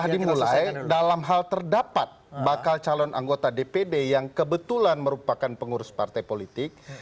dimulai dalam hal terdapat bakal calon anggota dpd yang kebetulan merupakan pengurus partai politik